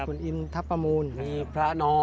วัดขุนอินทร์ทัพประมูลมีพระนอน